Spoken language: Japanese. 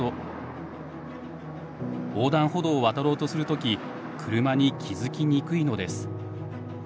横断歩道を渡ろうとする時車に気付きにくいのです。